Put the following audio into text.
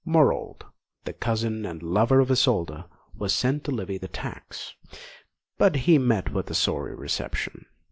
Morold, the cousin and lover of Isolda, was sent to levy the tax; but he met with a sorry reception.